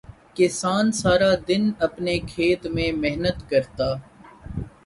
کسان سارا دن اپنے کھیت میں محنت کرتا